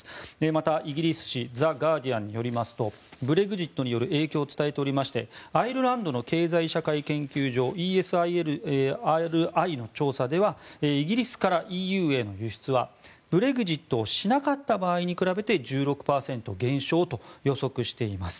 また、イギリス紙ザ・ガーディアンによりますとブレグジットによる影響を伝えておりましてアイルランドの経済社会総合研究所・ＥＳＲＩの調査ではイギリスからＥＵへの輸出はブレグジットをしなかった場合と比べて１６％減少と予測しています。